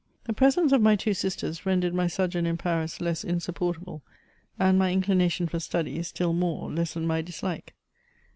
The presence of my two sisters rendered my sojourn in Paris less insupportable ; and my inclination for study still more lessened my dislike.